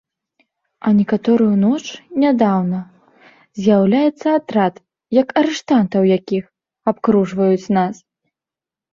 А некаторую ноч, нядаўна, з'яўляецца атрад, як арыштантаў якіх абкружваюць нас!